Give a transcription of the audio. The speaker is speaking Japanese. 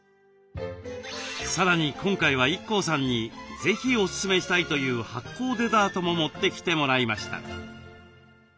さらに今回はＩＫＫＯさんに是非おすすめしたいという発酵デザートも持ってきてもらいました。